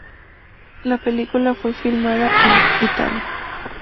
La película fue filmada en Italia.